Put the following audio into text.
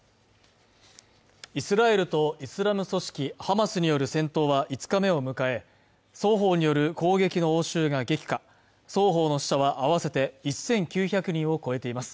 イスラエルとイスラム組織ハマスによる戦闘は５日目を迎え双方による攻撃の応酬が激化双方の死者は合わせて１９００人を超えています